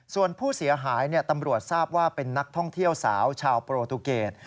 ส่วนผู้เสียหายตำรวจทราบว่าเป็นนักท่องเที่ยวสาวชาวโปรตูเกต